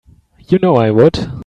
You know I would.